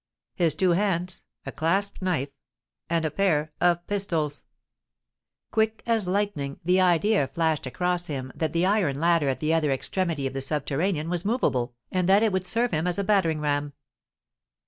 His two hands—a clasp knife—and a pair of pistols! Quick as lightning the idea flashed across him that the iron ladder at the other extremity of the subterranean was moveable, and that it would serve him as a battering ram.